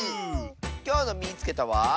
きょうの「みいつけた！」は。